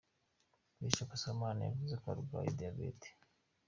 Bishop Sibomana yavuze ko arwaye Diyabete.